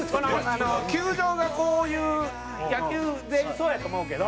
球場がこういう野球全部そうやと思うけど。